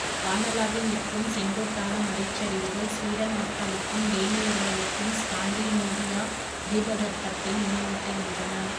வானளாவி நிற்கும் செங்குத்தான மலைச்சரிவுகள், ஸ்வீடன் மக்களுக்கும், டேனியர்களுக்கும், ஸ்காண்டிநேவியா தீபகற்பத்தை நினைவூட்டுகின்றன.